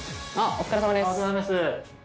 お疲れさまです。